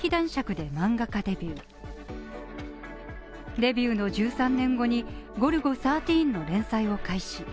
デビューの１３年後に「ゴルゴ１３」の連載を開始。